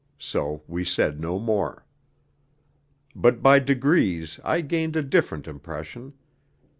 So we said no more. But by degrees I gained a different impression.